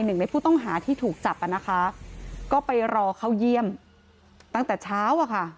หนึ่งในผู้ต้องหาที่ถูกจับอ่ะนะคะก็ไปรอเข้าเยี่ยมตั้งแต่เช้าอะค่ะ